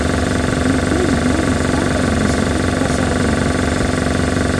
Yuba yella yebɣa ad yezrew aẓawan.